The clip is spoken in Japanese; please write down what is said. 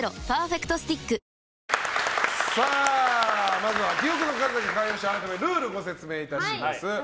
まずは記憶の数だけ歌謡ショールールをご説明いたします。